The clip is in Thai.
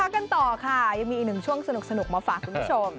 กันต่อค่ะยังมีอีกหนึ่งช่วงสนุกมาฝากคุณผู้ชม